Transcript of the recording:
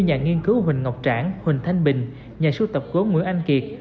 nhà nghiên cứu huỳnh ngọc trãn huỳnh thanh bình nhà sưu tập gốm nguyễn anh kiệt